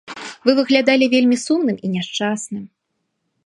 Вы выглядалі вельмі сумным і няшчасным.